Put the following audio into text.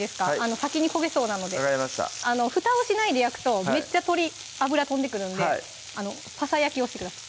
先に焦げそうなので分かりましたふたをしないで焼くとめっちゃ鶏油飛んでくるんでファサ焼きをしてください